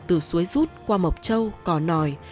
từ suối rút qua mộc châu cò nòi